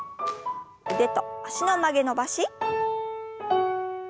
腕と脚の曲げ伸ばし。